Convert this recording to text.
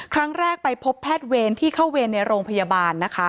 ครั้งแรกไปพบแพทย์เวรที่เข้าเวรในโรงพยาบาลนะคะ